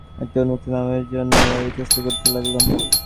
একটা উপযুক্ত নামের জন্যে এবার ইতস্তত করতে লাগলাম।